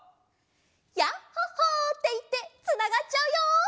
「ヤッホ・ホー」っていってつながっちゃうよ！